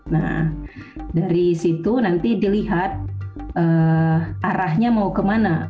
nah dari situ nanti dilihat arahnya mau kemana